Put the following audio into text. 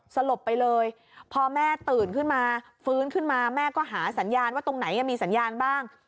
สลบไปเลยพอแม่ตื่นขึ้นมาฟื้นขึ้นมาแม่ก็หาสัญญาณว่าตรงไหนมีสัญญาณบ้าง